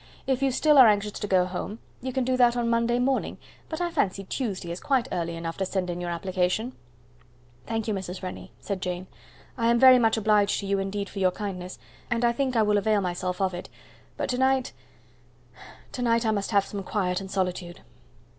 If you still are anxious to go home, you can do that on Monday morning; but I fancy Tuesday is quite early enough to send in your application." "Thank you, Mrs. Rennie," said Jane. "I am very much obliged to you indeed for your kindness, and I think I will avail myself of it; but to night to night I must have some quiet and solitude."